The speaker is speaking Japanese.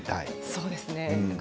そうですね。